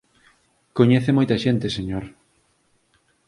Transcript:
Coñece moita xente, señor.